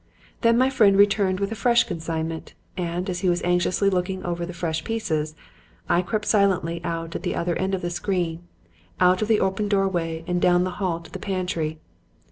Then my friend returned with a fresh consignment; and as he was anxiously looking over the fresh pieces, I crept silently out at the other end of the screen, out of the open doorway and down the hall to the pantry.